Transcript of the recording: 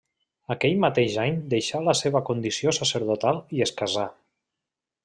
Aquell mateix any deixà la seva condició sacerdotal i es casà.